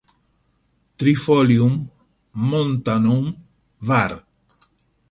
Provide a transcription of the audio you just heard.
Trifolium montanum var.